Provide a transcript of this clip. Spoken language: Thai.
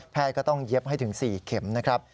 ก็ต้องเย็บให้ถึง๔เข็มนะครับ